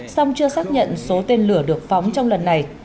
song chưa xác nhận số tên lửa được phóng trong lần này